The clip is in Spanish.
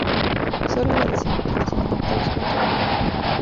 Sólo en la decimoquinta semana Thor subió al primer lugar.